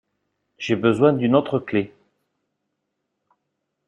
J’ai besoin d’une autre clef.